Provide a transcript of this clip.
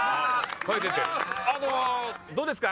あのどうですか？